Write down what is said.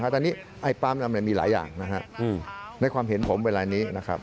ตอนนี้ปั๊มดำมีหลายอย่างนะครับในความเห็นผมเวลานี้นะครับ